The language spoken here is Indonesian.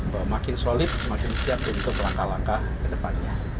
bahwa makin solid makin siap untuk langkah langkah ke depannya